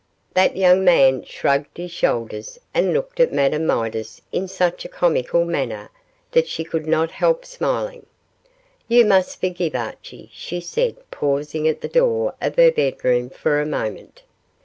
That young man shrugged his shoulders, and looked at Madame Midas in such a comical manner that she could not help smiling. 'You must forgive Archie,' she said, pausing at the door of her bedroom for a moment.